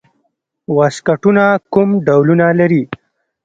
واسکټونه کوم ډولونه لري؟